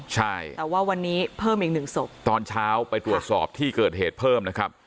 ใช่แต่ว่าวันนี้เพิ่มอีกหนึ่งศพตอนเช้าไปตรวจสอบที่เกิดเหตุเพิ่มนะครับ